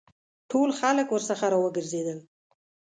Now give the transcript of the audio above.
ټول خلک ورڅخه را وګرځېدل.